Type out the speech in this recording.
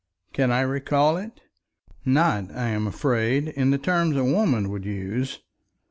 Can I recall it? Not, I am afraid, in the terms a woman would use.